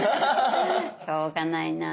しょうがないなあ。